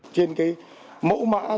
trên cái mẫu mã rồi